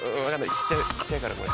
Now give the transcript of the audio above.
ちっちゃいからこれ。